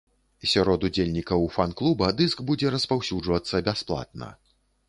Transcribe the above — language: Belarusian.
Сярод удзельнікаў фан-клуба дыск будзе распаўсюджвацца бясплатна.